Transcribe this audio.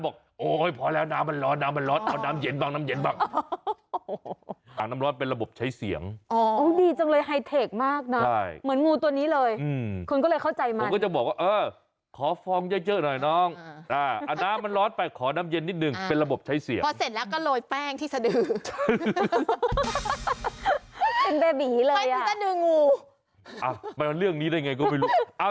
คล้ายผมจะดูงูอ่ะไปมาเรื่องนี้ละยังไงก็ไม่รู้อ่ะ